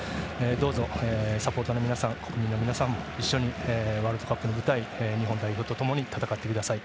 どうぞサポーターの皆さん国民の皆さんも一緒にワールドカップの舞台を日本代表とともに戦ってください。